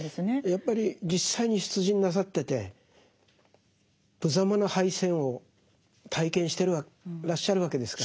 やっぱり実際に出陣なさっててぶざまな敗戦を体験してらっしゃるわけですから。